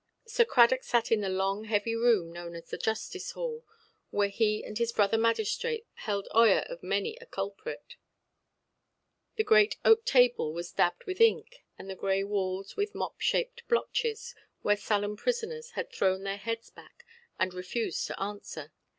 Sir Cradock sat in the long heavy room known as the "justice–hall", where he and his brother magistrates held oyer of many a culprit. The great oak table was dabbed with ink, and the grey walls with mop–shaped blotches, where sullen prisoners had thrown their heads back, and refused to answer.